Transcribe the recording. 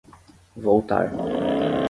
Voltar